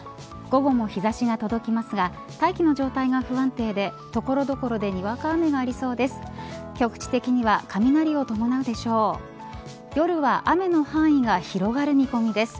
午後も日差しが届きますが大気の状態が不安定で所々でにわか雨がありそうです。